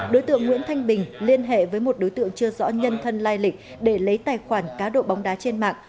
đối tượng nguyễn thanh bình liên hệ với một đối tượng chưa rõ nhân thân lai lịch để lấy tài khoản cá độ bóng đá trên mạng